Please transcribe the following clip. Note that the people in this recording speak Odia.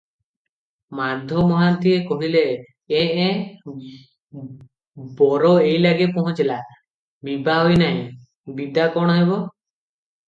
ମାଧ ମହାନ୍ତିଏ କହିଲେ, "ଏଁ ଏଁ- ବର ଏଇଲାଗେ ପହଞ୍ଚିଲା, ବିଭା ହୋଇ ନାହିଁ, ବିଦା କଣ ହେବ?"